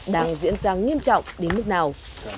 đang diễn ra nghiêm trọng đến mức nào